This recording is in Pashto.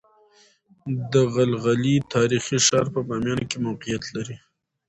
دغلغلې تاريخي ښار په باميانو کې موقعيت لري